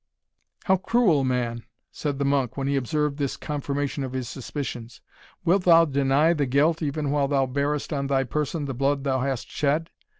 "How! cruel man," said the monk, when he observed this confirmation of his suspicions; "wilt thou deny the guilt, even while thou bearest on thy person the blood thou hast shed?